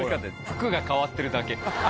服が変わってるだけ。